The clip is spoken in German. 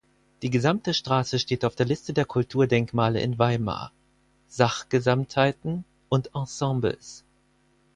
Die gesamte Straße steht auf der Liste der Kulturdenkmale in Weimar (Sachgesamtheiten und Ensembles).